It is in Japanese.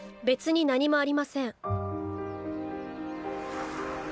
別に何もありません。